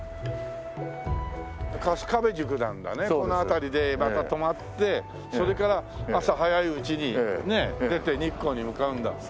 粕壁宿なんだねこの辺りでまた泊まってそれから朝早いうちにねえ出て日光に向かうんだ。